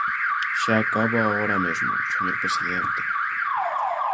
Xa acabo agora mesmo, señor presidente.